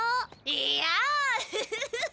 いやフフフフ。